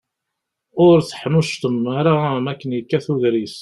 Ur teḥnuccḍem ara makken yekkat ugris.